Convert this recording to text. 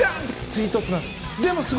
追突なんです。